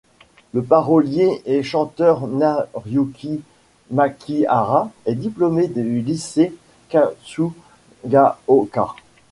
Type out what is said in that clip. Le parolier et chanteur Noriyuki Makihara est diplômé du lycée Kasugaoka.